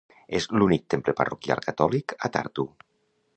És l'únic temple parroquial catòlic a Tartu.